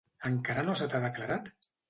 Encara no se t'ha declarat?